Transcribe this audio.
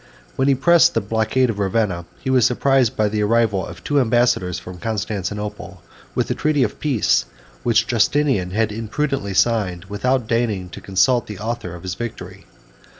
107 While he pressed the blockade of Ravenna, he was surprised by the arrival of two ambassadors from Constantinople, with a treaty of peace, which Justinian had imprudently signed, without deigning to consult the author of his victory.